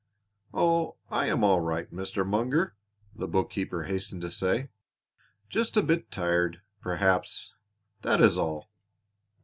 "Oh, I am all right, Mr. Munger," the bookkeeper hastened to say. "Just a bit tired, perhaps that is all."